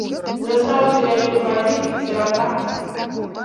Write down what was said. Застаўся дзяцюк адзін, сірата.